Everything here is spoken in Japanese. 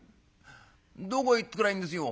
どこ行ってくりゃいいんですよ」。